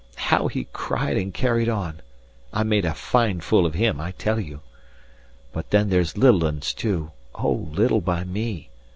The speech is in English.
how he cried and carried on! I made a fine fool of him, I tell you! And then there's little uns, too: oh, little by me!